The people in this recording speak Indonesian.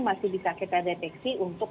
masih bisa kita deteksi untuk